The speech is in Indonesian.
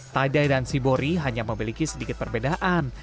taidai dan shibori hanya memiliki sedikit perbedaan